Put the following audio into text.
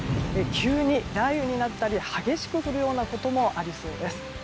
急に雷雨になったり激しく降るようなこともありそうです。